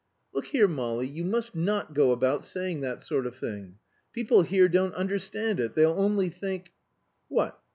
"Look here, Molly, you must not go about saying that sort of thing. People here don't understand it; they'll only think " "What?"